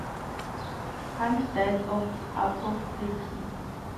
Hunt died of apoplexy.